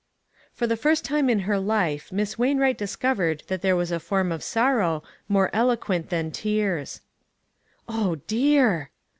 For the first time in her life, Miss Wain 2/8 ONE COMMONPLACE DAY. wright discovered that there was a form of sorrow more eloquent than tears. " Oh, dear